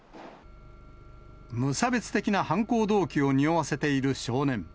無差別的な犯行動機をにおわせている少年。